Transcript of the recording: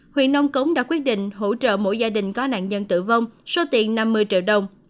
huyện nông cống đã quyết định hỗ trợ mỗi gia đình có nạn nhân tử vong số tiền năm mươi triệu đồng